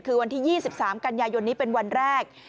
คือวันที่๒๓กันยายนนี้เป็นวันแรก